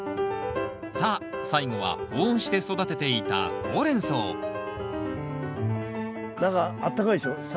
さあ最後は保温して育てていたホウレンソウ中あったかいでしょ。